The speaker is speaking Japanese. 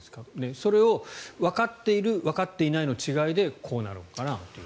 それをわかっているわかっていないの違いでこうなるのかなという。